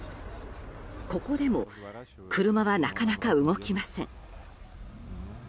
ここでも車はなかなか動きません。